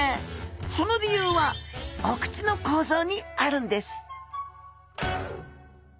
その理由はお口の構造にあるんです！